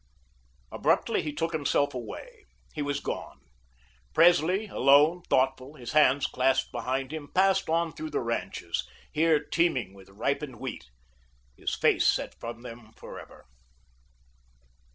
Abruptly he took himself away. He was gone. Presley, alone, thoughtful, his hands clasped behind him, passed on through the ranches here teeming with ripened wheat his face set from them forever.